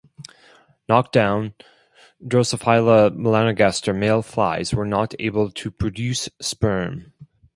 Knockdown "Drosophila melanogaster" male flies were not able to produce sperm.